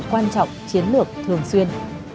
quan trọng chiến lược thường xuyên